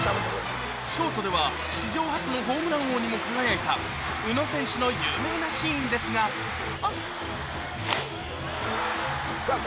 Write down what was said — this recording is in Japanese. ショートでは史上初のホームラン王にも輝いた宇野選手の有名なシーンですがさぁ